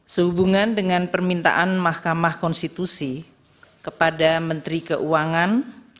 sehubungan dengan permintaan mahkamah konstitusi kepada menteri keuangan